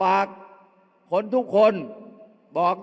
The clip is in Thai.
เอาข้างหลังลงซ้าย